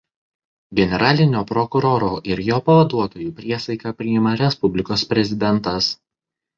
Generalinio prokuroro ir jo pavaduotojų priesaiką priima Respublikos Prezidentas.